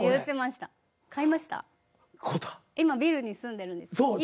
今ビルに住んでるんですか？